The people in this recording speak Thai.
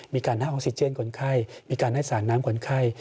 มีการให้ออกซิเจนคนไข้มีการให้สารน้ำคนไข้